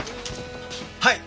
はい！